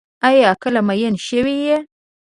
آیا کله مئین شوی یې؟